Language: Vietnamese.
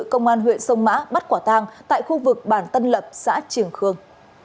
công an huyện sông mã bắt quả tang tại khu vực bản tân lập xã trường khương